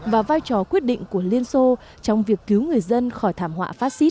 và vai trò quyết định của liên xô trong việc cứu người dân khỏi thảm họa phát xít